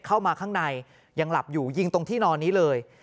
เข้ามาข้างในยังหลับอยู่ยิงตรงที่นอนนี้เลย